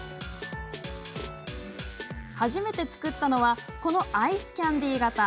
初めて作ったのはこのアイスキャンデー形。